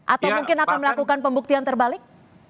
atau mungkin akan melakukan pembuktian terbalik